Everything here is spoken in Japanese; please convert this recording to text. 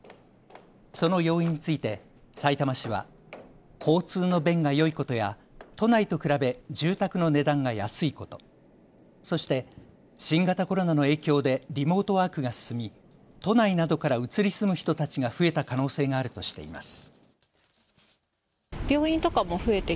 その要因について、さいたま市は交通の便がよいことや都内と比べ住宅の値段が安いこと、そして新型コロナの影響でリモートワークが進み都内などから移り住む人たちが増えた可能性があるとしています。